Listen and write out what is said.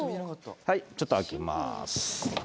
ちょっと開きまーす。